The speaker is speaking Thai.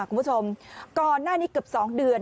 คุณผู้ชมก่อนหน้านี้เกือบ๒เดือน